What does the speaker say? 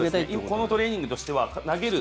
このトレーニングとしては投げる